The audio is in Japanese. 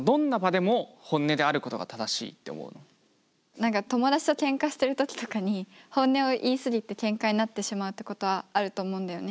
何か友達とけんかしてる時とかに本音を言い過ぎてけんかになってしまうってことはあると思うんだよね。